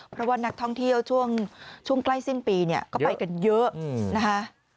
เพราะว่านักท่องเที่ยวช่วงใกล้สิ้นปีเนี่ยก็ไปกันเยอะนะคะ